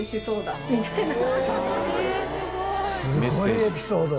すごいエピソード。